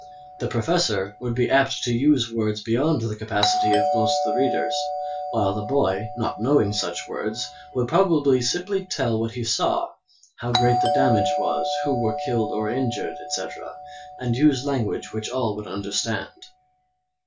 The professor would be apt to use words beyond the capacity of most of the readers, while the boy, not knowing such words, would probably simply tell what he saw, how great the damage was, who were killed or injured, etc., and use language which all would understand.